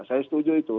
saya setuju itu